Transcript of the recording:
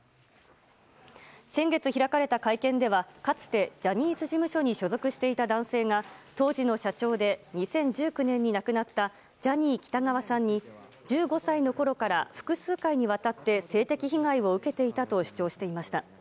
先月開かれた会見ではかつてジャニーズ事務所に所属していた男性が当時の社長で２０１９年に亡くなったジャニー喜多川さんに１５歳のころから複数回にわたって性的被害を受けていたと主張しました。